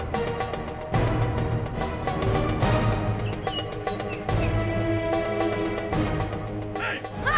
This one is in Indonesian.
tidak ada yang basilit jadi ahsan